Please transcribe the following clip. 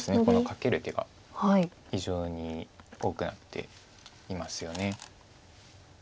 このカケる手が非常に多くなっていますよね。